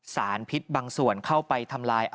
สารพิษบางส่วนเข้าไปทำลาย